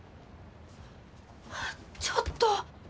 あっちょっと！